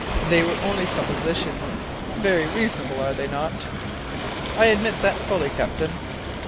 These were only suppositions very reasonable, are they not?" "I admit that, fully, captain."